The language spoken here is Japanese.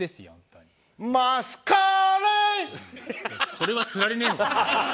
それはつられねえのかよ。